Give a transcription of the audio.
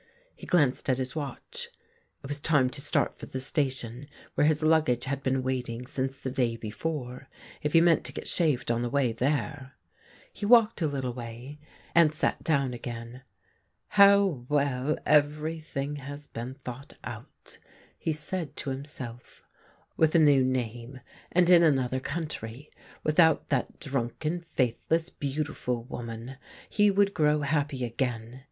He glanced at his watch — it was time to start for the station, where his luggage had been waiting since the day before, if he meant to get shaved on the way there. He walked a little way, and sat 65 THE GREEN LIGHT down again. ' How well every thing has been thought out !' he said to himself. All would succeed. With a new name^ and in another country, without that drunken, faith less, beautiful woman, he would grow happy again.